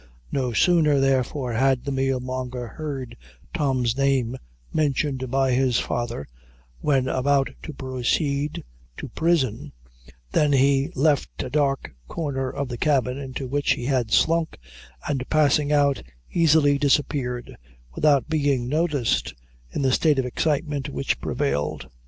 No sooner, therefore, had the meal monger heard Tom's name mentioned by his father, when about to proceed to prison, than he left a dark corner of the cabin, into which he had slunk, and, passing out, easily disappeared, without being noticed, in the state of excitement which prevailed.